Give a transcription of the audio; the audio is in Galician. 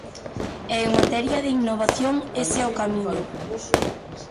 E en materia de innovación ese é o camiño.